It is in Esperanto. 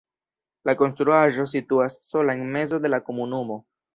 La konstruaĵo situas sola en mezo de la komunumo.